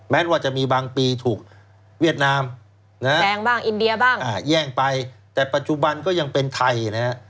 แม้ว่าจะมีบางปีถูกเวียดนามแย่งไปแต่ปัจจุบันก็ยังเป็นไทยนะครับ